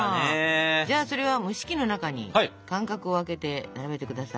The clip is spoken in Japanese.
じゃあそれは蒸し器の中に間隔を空けて並べてください。